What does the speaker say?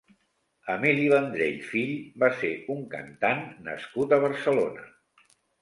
Emili Vendrell (fill) va ser un cantant nascut a Barcelona.